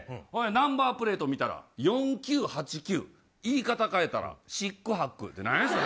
ナンバープレート見たら４９８９言い方変えたら四苦八苦。